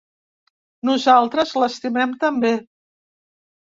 Nosaltres l’estimem també.